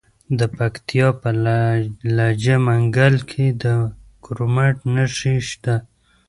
د پکتیا په لجه منګل کې د کرومایټ نښې شته.